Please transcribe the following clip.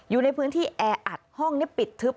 อยู่ในพื้นที่แออัดห้องนี้ปิดทึบ